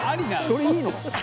「それいいの？」